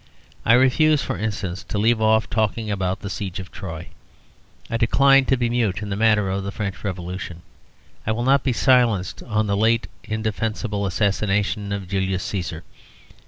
I refuse (for instance) to leave off talking about the Siege of Troy. I decline to be mute in the matter of the French Revolution. I will not be silenced on the late indefensible assassination of Julius Cæsar.